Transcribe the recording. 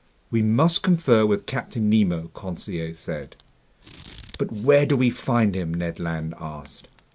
"We must confer with Captain Nemo," Conseil said. "But where do we find him?" Ned Land asked.